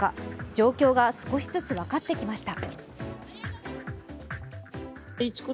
状況が少しずつ分かってきました。